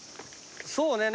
そうね